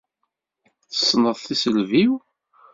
Tessneḍ tisselbi-w!